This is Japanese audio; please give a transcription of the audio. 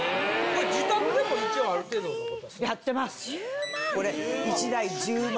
自宅でも一応ある程度のことはするんですか？